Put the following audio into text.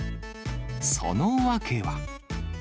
その訳は。